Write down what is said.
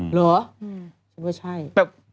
หรือ